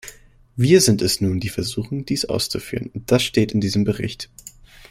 Wir sind es nun, die versuchen, dies auszuführen, und das steht in diesem Bericht.